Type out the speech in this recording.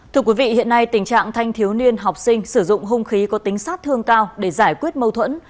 thưa quý vị hiện nay tình trạng thanh thiếu niên học sinh sử dụng hung khí có tính sát thương cao để giải quyết mâu thuẫn